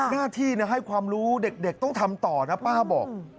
หน้าที่ให้ความรู้เด็กต้องทำต่อนะป้าบอก